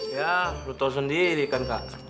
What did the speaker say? ya lo tau sendiri kan kak